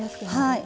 はい。